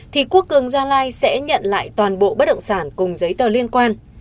thì quốc cường gia lai sẽ nhận lại toàn bộ bất động sản cùng giấy tờ liên quan